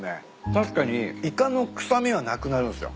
確かにイカの臭みはなくなるんすよ。